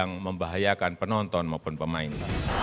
dan juga membahayakan penonton maupun pemain